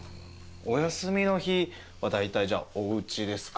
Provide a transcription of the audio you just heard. お休みの日はだいたいおうちですか？